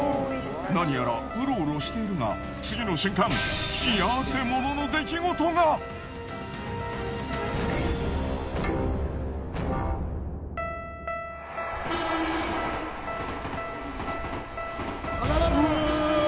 何やらウロウロしているが次の瞬間冷や汗ものの出来事が！うわ！